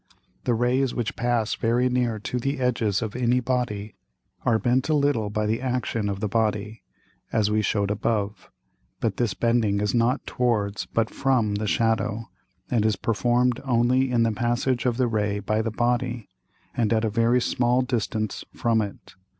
The Rays which pass very near to the edges of any Body, are bent a little by the action of the Body, as we shew'd above; but this bending is not towards but from the Shadow, and is perform'd only in the passage of the Ray by the Body, and at a very small distance from it.